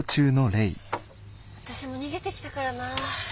私も逃げてきたからな。